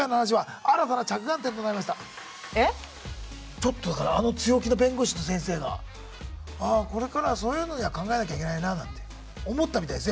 ちょっとだからあの強気な弁護士の先生が「ああこれからはそういうのには考えなきゃいけないな」なんて思ったみたいです